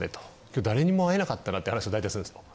「今日誰にも会えなかったな」って話を大体するんですよ。